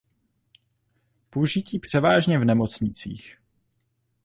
Použití převážně v nemocnicích.